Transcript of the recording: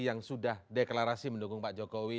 yang sudah deklarasi mendukung pak jokowi